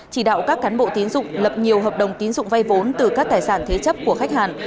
chỉ đạo các cán bộ tiến dụng lập nhiều hợp đồng tín dụng vay vốn từ các tài sản thế chấp của khách hàng